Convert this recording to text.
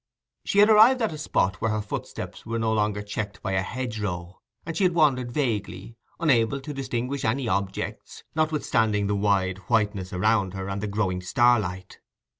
She had arrived at a spot where her footsteps were no longer checked by a hedgerow, and she had wandered vaguely, unable to distinguish any objects, notwithstanding the wide whiteness around her, and the growing starlight.